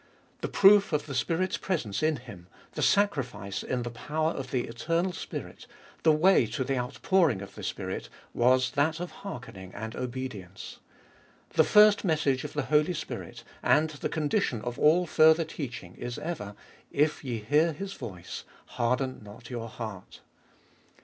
The proof of the Spirit's presence in Him, the sacrifice in the power of the Eternal Spirit, the way to the outpouring of the Spirit, was that of hearkening and obedience. The first message of the Holy Spirit, and the condition of all further teaching is ever, If ye hear His voice, harden not your heart.